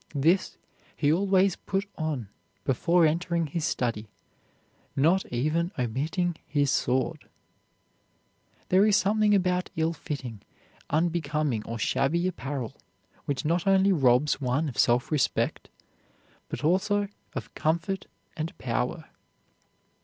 This he always put on before entering his study, not even omitting his sword. There is something about ill fitting, unbecoming, or shabby apparel which not only robs one of self respect, but also of comfort and power.